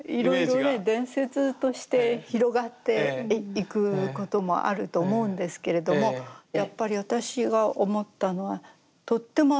いろいろね伝説として広がっていくこともあると思うんですけれどもやっぱり私が思ったのはとってもあの人民。